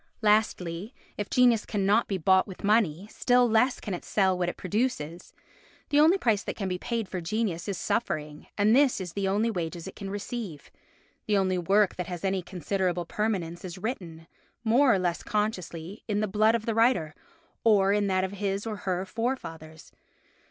Lastly, if genius cannot be bought with money, still less can it sell what it produces. The only price that can be paid for genius is suffering, and this is the only wages it can receive. The only work that has any considerable permanence is written, more or less consciously, in the blood of the writer, or in that of his or her forefathers.